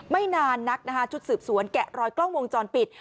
ไม่นานนักนะคะชุดสืบสวนแกะรอยกล้องวงจรปิด